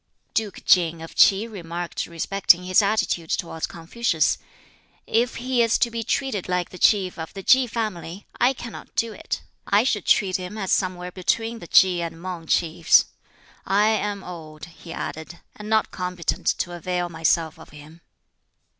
Duke King of Ts'i remarked respecting his attitude towards Confucius, "If he is to be treated like the Chief of the Ki family, I cannot do it. I should treat him as somewhere between the Ki and Mang Chiefs. I am old," he added, "and not competent to avail myself of him."